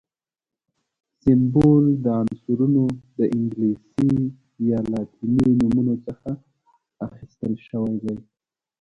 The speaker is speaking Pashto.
سمبول د عنصرونو د انګلیسي یا لاتیني نومونو څخه اخیستل شوی دی.